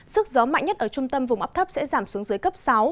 sức gió mạnh nhất ở trung tâm vùng áp thấp sẽ giảm xuống dưới cấp sáu